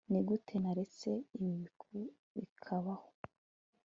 Nigute naretse ibi bikabaho